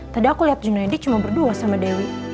tadi aku liat junedi cuma berdua sama dewi